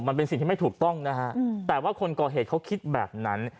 มันเป็นสิ่งที่ไม่ถูกต้องนะฮะแต่ว่าคนก่อเหตุเขาคิดแบบนั้น